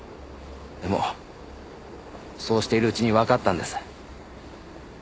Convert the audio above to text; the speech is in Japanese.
でもそうしているうちにわかったんです。